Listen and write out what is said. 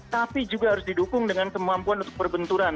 tapi juga harus didukung dengan kemampuan untuk berbenturan